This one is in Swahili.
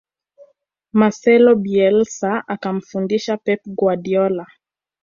marcelo bielsa akamfundisha pep guardiola